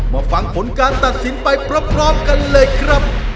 มาฟังผลการตัดสินไปพร้อมกันเลยครับ